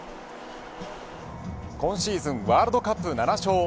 今シーズンワールドカップ７勝。